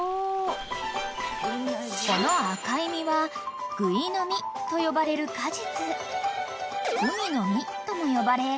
［この赤い実はグイの実と呼ばれる果実］